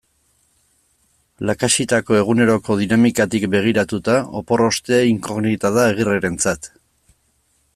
Lakaxitako eguneroko dinamikatik begiratuta, opor ostea inkognita da Agirrerentzat.